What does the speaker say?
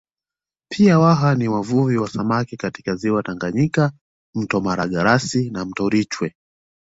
Pia Waha ni wavuvi wa samaki katika ziwa Tanganyika mto Malagarasi na Mto Rwiche